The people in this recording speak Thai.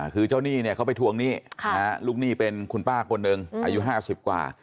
คือเจ้าหนี้เนี่ยเขาไปทวงหนี้ลูกหนี้เป็นคุณป้าคนหนึ่งอายุ๕๐กว่า